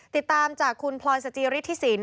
ติดตามจากคุณพลอยสจิฤทธิสิน